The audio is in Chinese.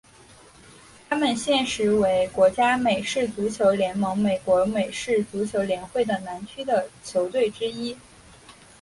他们现时为国家美式足球联盟美国美式足球联会的南区的球队之一。